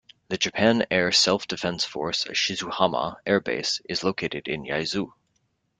The Japan Air Self-Defense Force Shizuhama Air Base is located in Yaizu.